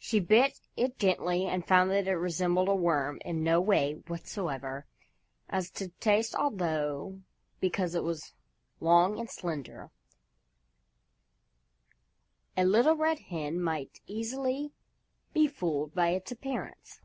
She bit it gently and found that it resembled a worm in no way whatsoever as to taste although because it was long and slender, a Little Red Hen might easily be fooled by its appearance.